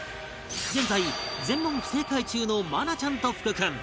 現在全問不正解中の愛菜ちゃんと福君